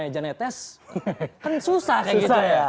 jan etes kan susah kayak gitu